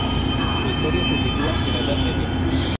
Su historia se sitúa en la Edad Media.